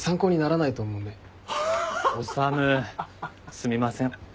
すみません。